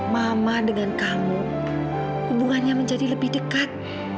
mama dengan kamu hubungannya menjadi lebih dekat